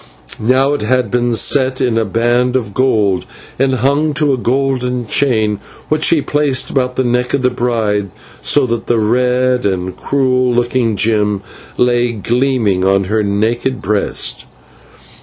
Now it had been set in a band of gold and hung to a golden chain which he placed about the neck of the bride, so that the red and cruel looking gem lay gleaming on her naked breast.